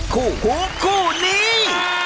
คู่หูคู่นี้